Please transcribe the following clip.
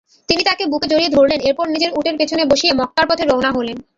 তিনি তাকে বুকে জড়িয়ে ধরলেন এরপর নিজের উটের পেছনে বসিয়ে মক্কার পথে রওয়ানা হলেন।